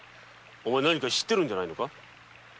お前何か知ってるんじゃないのか？